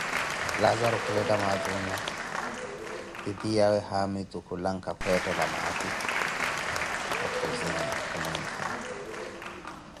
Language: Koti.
Laazaru khuveca maati oonyua, titiyawe haamitu khulanka kwettela maati okhuzinha kumwinkha.